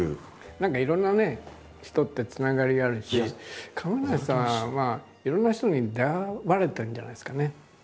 何かいろんなね人ってつながりがあるし亀梨さんはいろんな人に出会われてるんじゃないですかね。